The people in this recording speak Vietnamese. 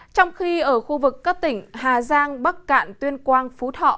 trong khi ở khu vực các tỉnh hà giang bắc cạn tuyên quang phú thọ